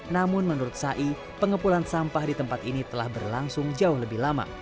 kondisi sampah di tempat ini telah berlangsung jauh lebih lama